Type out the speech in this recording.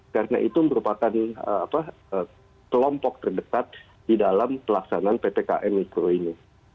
karena itu merupakan kelompok terdekat di dalam pelaksanaan ptkm mikro ini